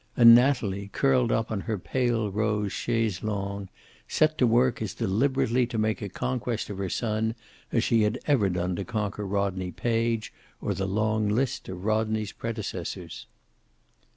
And Natalie, curled up on her pale rose chaise longue, set to work as deliberately to make a conquest of her son as she had ever done to conquer Rodney Page, or the long list of Rodney's predecessors.